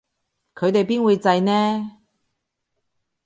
佢哋邊會䎺呢